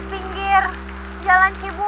di pinggir jalan cibober